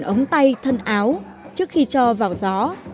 đóng tay thân áo trước khi cho vào gió